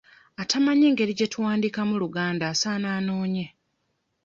Atamanyi ngeri gye tuwandiikamu Luganda asaana annoonye.